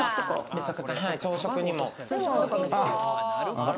朝食にも。